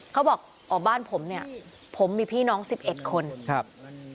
เขาบอกออกบ้านผมเนี่ยผมมีพี่น้อง๑๑คนครับ